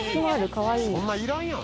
そんないらんやろ。